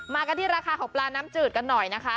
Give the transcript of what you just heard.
กันที่ราคาของปลาน้ำจืดกันหน่อยนะคะ